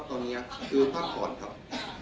คุณท่านหวังว่าประชาธิบัตรา๔๔